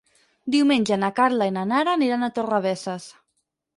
Diumenge na Carla i na Nara aniran a Torrebesses.